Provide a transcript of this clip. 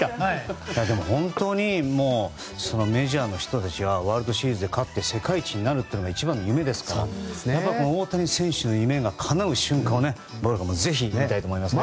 でも本当にメジャーの人たちはワールドシリーズで勝って世界一になるのが一番の夢ですから大谷選手の夢がかなう瞬間を我々もぜひ見たいと思います。